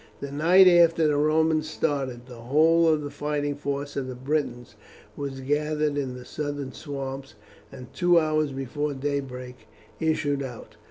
The night after the Romans started, the whole of the fighting force of the Britons was gathered in the southern swamps, and two hours before daybreak issued out.